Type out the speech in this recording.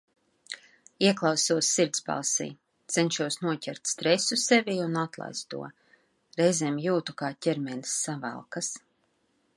Ieklausos sirdsbalsī, cenšos noķert stresu sevī un atlaist to, reizēm jūtu, kā ķermenis savelkas.